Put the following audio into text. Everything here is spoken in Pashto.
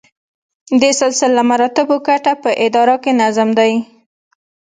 د سلسله مراتبو ګټه په اداره کې نظم دی.